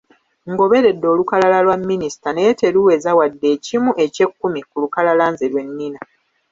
Ngoberedde olukalala lwa minisita naye teruweza wadde ekimu eky'ekkumi ku lukalala nze lwe nina.